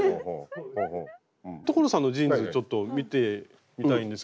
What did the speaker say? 所さんのジーンズちょっと見てみたいんですけど。